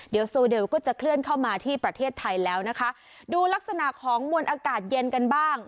เดี๋ยวโซเดลก็จะเคลื่อนเข้ามาที่ประเทศไทยแล้วนะคะดูลักษณะของมวลอากาศเย็นกันบ้าง